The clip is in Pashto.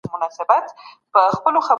د غفلت خوب مه کوئ.